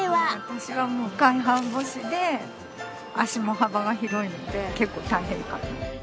私はもう外反母趾で足の幅が広いので結構大変かな。